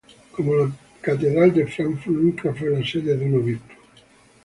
Como la catedral de Frankfurt, nunca fue la sede de un obispo.